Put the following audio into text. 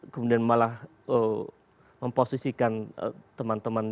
kemudian malah memposisikan teman teman